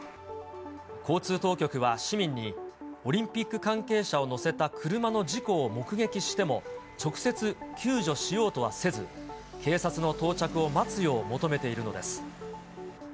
交通当局は市民に、オリンピック関係者を乗せた車の事故を目撃しても、直接救助しようとはせず、警察の到着を待つよう求めているのです。